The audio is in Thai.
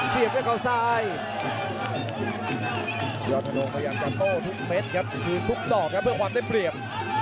พยายามจับโต้ทุกเม็ดครับคือทุกต่อเพื่อความได้เปรียบ